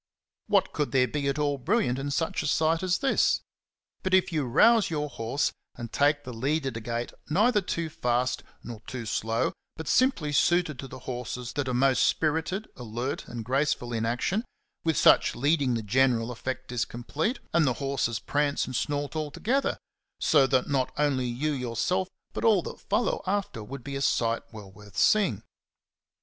What 64 XENOPIION ON HORSEMANSHIP. could there be at all brilliant in such a sight as this? But if you rouse your horse and take the lead at a gait neither too fast nor too slow, but simply suited to the horses that are most spirited, alert, and graceful in action, with such leading the general effect is complete, and the horses prance and snort all together, so that not only you yourself but all that follow after would be a sight well worth seeing.